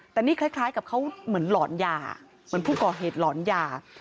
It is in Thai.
แต่นี่คล้ายกับเขาเหมือนหลอนยาเหมือนผู้ก่อเหตุหลอนยา